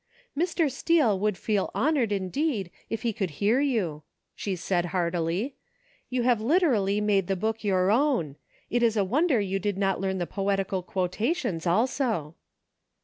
" Mr. Steele would feel honored, indeed, if he 156 EXPERIMENTS. could hear you," she said, heartily; "you have literally made the book your own. It is a wonder you did not learn the poetical quotations also."